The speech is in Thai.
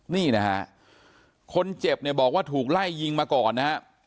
นี่นะฮะคนเจ็บเนี่ยบอกว่าถูกไล่ยิงมาก่อนนะฮะ